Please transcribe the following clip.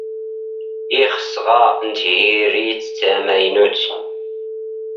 ⵉⵅⵙ ⵖⴰ ⵏ ⵜⵀⵉⵔⵉⵜ ⵜⴰⵎⴰⵢⵏⵓⵜ.